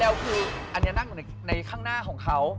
คืออันนี้นั่งอยู่ในข้างหน้าของเขา